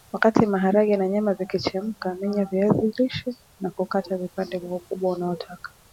Wakati maharage na nyama vikichemka menya viazi lishe na kukata vipande kwa ukubwa unaotaka